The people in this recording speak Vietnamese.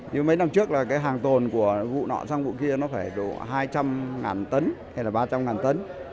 như mấy năm trước là cái hàng tồn của vụ nọ sang vụ kia nó phải độ hai trăm linh tấn hay là ba trăm linh tấn